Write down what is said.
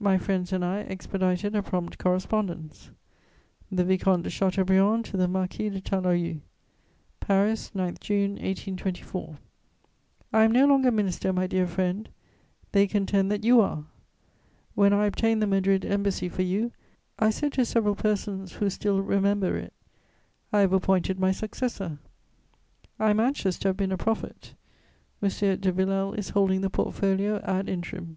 My friends and I expedited a prompt correspondence: THE VICOMTE DE CHATEAUBRIAND TO THE MARQUIS DE TALARU "PARIS, 9 June 1824. "I am no longer minister, my dear friend; they contend that you are. When I obtained the Madrid Embassy for you, I said to several persons who still remember it: "'I have appointed my successor.' "I am anxious to have been a prophet. M. de Villèle is holding the portfolio _ad interim.